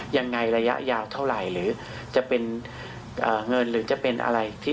ระยะยาวเท่าไหร่หรือจะเป็นเงินหรือจะเป็นอะไรที่